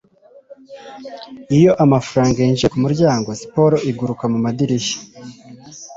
Iyo amafaranga yinjiye kumuryango, siporo iguruka mumadirishya.